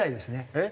えっ？